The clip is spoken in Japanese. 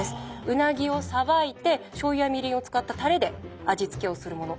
うなぎをさばいてしょうゆやみりんを使ったタレで味付けをするもの